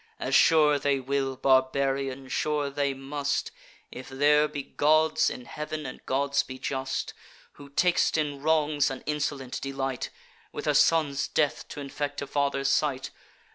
As sure they will, barbarian, sure they must, If there be gods in heav'n, and gods be just: Who tak'st in wrongs an insolent delight; With a son's death t' infect a father's sight.